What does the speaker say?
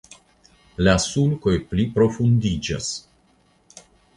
La sulkoj pliprofundiĝas.